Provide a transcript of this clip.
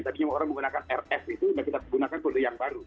tapi orang menggunakan rf itu kita gunakan kode yang baru